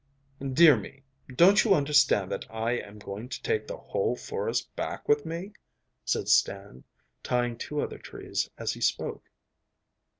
'Dear me! don't you understand that I am going to take the whole forest back with me?' said Stan, tying two other trees as he spoke.